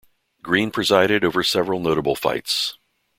Green presided over several notable fights.